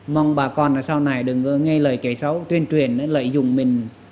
mong bà con sau này đừng nghe lời kể xấu tuyên truyền lợi dụng mình